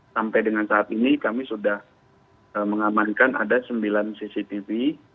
sampai dengan saat ini kami sudah mengamankan ada sembilan cctv